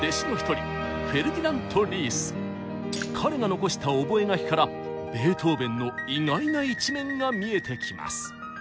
彼が残した覚書からベートーベンの意外な一面が見えてきます。